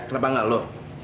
kenapa gak lu